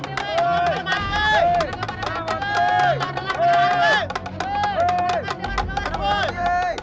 ternak pada mati